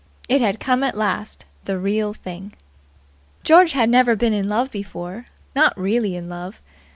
It had come at last. The Real Thing. George had never been in love before. Not really in love.